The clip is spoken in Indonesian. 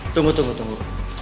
tunggu tunggu tunggu